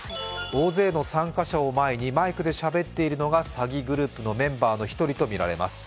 大勢の参加者を前にマイクでしゃべっているのが詐欺グループのメンバーの一人とみられます。